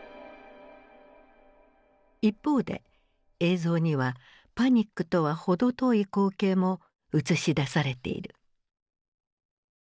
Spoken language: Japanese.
一方で映像にはパニックとは程遠い光景も映し出されている。